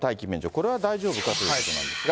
これは大丈夫かということなんですが。